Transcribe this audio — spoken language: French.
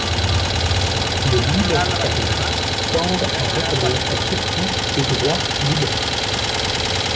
Les libertariens tendent à reconnaître surtout des droits-liberté.